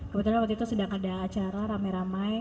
kebetulan waktu itu sedang ada acara ramai ramai